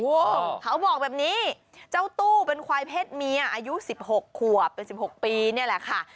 โอ้เขาบอกแบบนี้เจ้าตู้เป็นควายเพศเมียอายุสิบหกขวบเป็นสิบหกปีเนี้ยแหละค่ะ